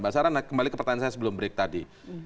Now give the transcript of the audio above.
mbak sarana kembali ke pertanyaan saya sebelum break tadi